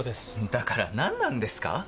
だから何なんですか